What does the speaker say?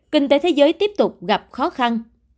kinh tế thế giới tiếp tục gặp khó khăn